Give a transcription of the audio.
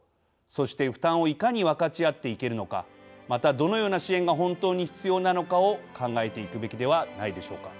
そして、負担をいかに分かち合っていけるのかまた、どのような支援が本当に必要なのかを考えていくべきではないでしょうか。